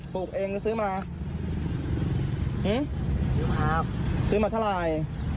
กับเอ็งก็ซื้อมาซื้อมาเท่าไหร่